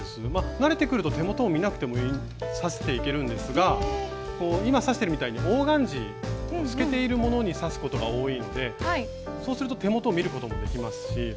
慣れてくると手元を見なくても刺していけるんですが今刺してるみたいにオーガンジー透けているものに刺すことが多いのでそうすると手元を見ることもできますし。